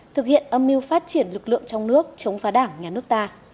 thực hiện âm mưu phát triển lực lượng trong nước chống phá đảng nhà nước ta